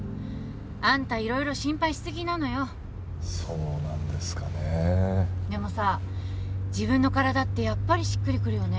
あんた色々心配しすぎなのよそうなんですかねでもさ自分の体ってやっぱりしっくりくるよね